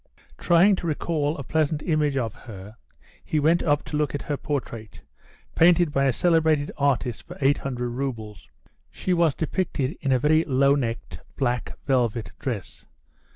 Trying to recall a pleasant image of her, he went up to look at her portrait, painted by a celebrated artist for 800 roubles. She was depicted in a very low necked black velvet dress.